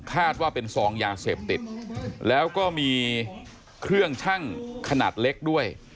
คาดว่าเป็นซองยาเสพติดแล้วก็มีเครื่องชั่งขนาดเล็กด้วย